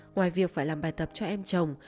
ngoài việc phải làm bài tập cho em chồng